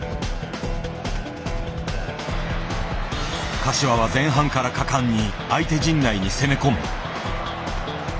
柏は前半から果敢に相手陣内に攻め込む。